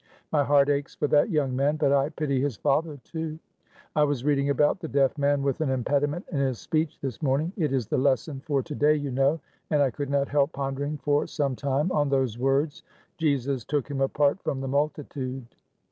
My heart aches for that young man, but I pity his father, too. I was reading about the deaf man with an impediment in his speech this morning; it is the lesson for to day, you know, and I could not help pondering for some time on those words, 'Jesus took him apart from the multitude.'